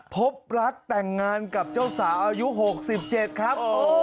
พบรักแต่งงานกับเจ้าสาวอายุ๖๗ครับ